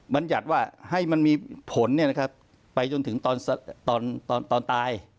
ไปจนถึงตอนตาย